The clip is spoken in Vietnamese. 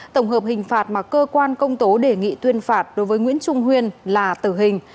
tổng hợp hình phạt mà cơ quan công tố đề nghị tuyên phạt đối với nguyễn trung huyên là tử hình